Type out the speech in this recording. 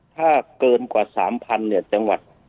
ถ้าเกินกว่า๓๐๐เนี่ยจังหวัด